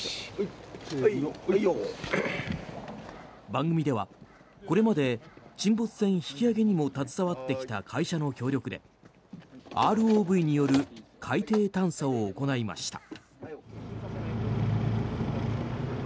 番組では、これまで沈没船引き揚げにも携わってきた会社の協力で、ＲＯＶによる海底探査を行いました。